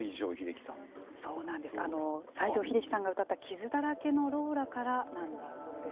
西城秀樹さんが歌った傷だらけのローラからなんだそうです。